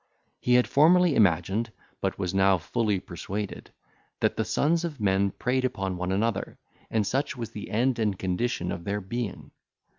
He had formerly imagined, but was now fully persuaded, that the sons of men preyed upon one another, and such was the end and condition of their being.